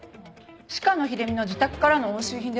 鹿野秀美の自宅からの押収品です。